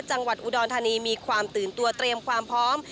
จังหวัดอุดรธานีมีความตื่นตัวเตรียมความพร้อม